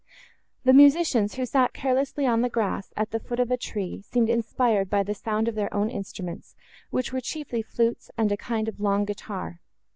The musicians, who sat carelessly on the grass, at the foot of a tree, seemed inspired by the sound of their own instruments, which were chiefly flutes and a kind of long guitar.